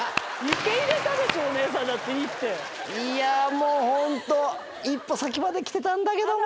もうホント一歩先まで来てたんだけども。